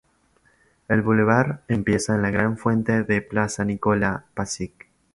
El Bulevar empieza en la gran fuente de la Plaza Nikola Pašić.